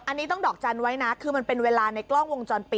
อันนี้ต้องดอกจันทร์ไว้นะคือมันเป็นเวลาในกล้องวงจรปิด